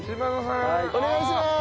お願いします！